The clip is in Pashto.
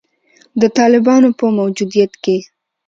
د طالبانو په موجودیت کې